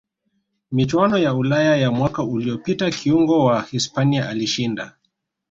michuano ya ulaya ya mwaka uliyopita kiungo wa hispania alishinda